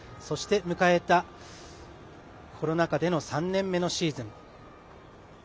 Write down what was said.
そして、迎えたコロナ禍での３年目のシーズン。